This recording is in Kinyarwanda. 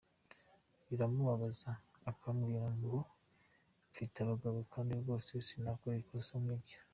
biramubabaza akamwira ngo mfite abagabo kandi rwose sinakora ikosa nk’iryo.